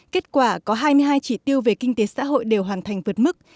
kết quả có hai mươi hai chỉ tiêu về kinh tế xã hội đều hoàn thành vượt mức